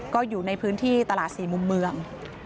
ก็อยู่ในพื้นที่ตลาด๔มุมเมือง